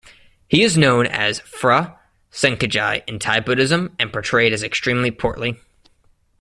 He is known as Phra Sangkajai in Thai Buddhism and portrayed as extremely portly.